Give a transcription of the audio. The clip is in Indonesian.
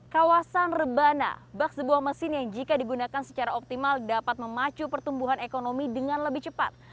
kawasan rebana bak sebuah mesin yang jika digunakan secara optimal dapat memacu pertumbuhan ekonomi dengan lebih cepat